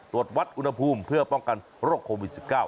ตรวจวัดอุณหภูมิเพื่อป้องกันโรคโควิด๑๙